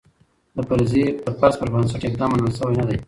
د فرض پر بنسټ اقدام منل شوی نه دی.